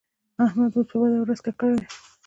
احمد اوس په بده ورځ ککړ دی.